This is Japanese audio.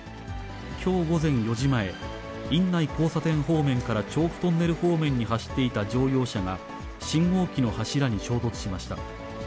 きょう午前４時前、印内交差点方面から長府トンネル方面に走っていた乗用車が信号機の柱に衝突しました。